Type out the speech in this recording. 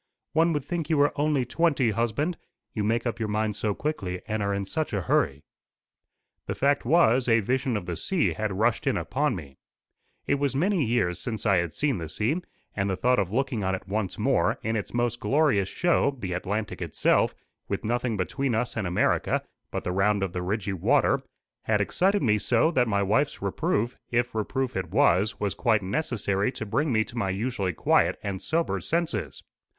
"One would think you were only twenty, husband you make up your mind so quickly, and are in such a hurry." The fact was, a vision of the sea had rushed in upon me. It was many years since I had seen the sea, and the thought of looking on it once more, in its most glorious show, the Atlantic itself, with nothing between us and America, but the round of the ridgy water, had excited me so that my wife's reproof, if reproof it was, was quite necessary to bring me to my usually quiet and sober senses.